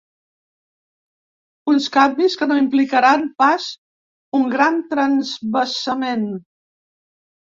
Uns canvis que no implicaran pas un gran transvasament.